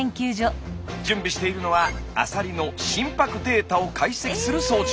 準備しているのはアサリの心拍データを解析する装置。